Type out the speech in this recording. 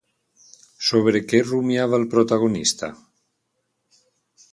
Sobre què rumiava el protagonista?